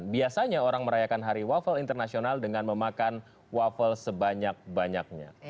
biasanya orang merayakan hari waffle internasional dengan memakan waffle sebanyak banyaknya